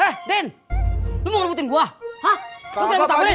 eh din lo mau ngelubutin gue hah lo kena gue tak belin